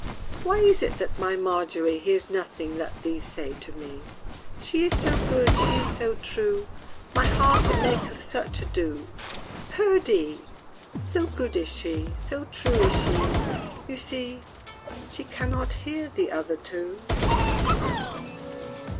_ III Why is it that my MARGERY Hears nothing that these say to me? She is so good, she is so true, My heart it maketh such ado; _Perdie! So good is she, so true is she, You see, She can not hear the other two.